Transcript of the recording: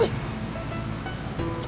paket ini gue